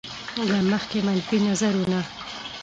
له مخکې منفي نظرونه.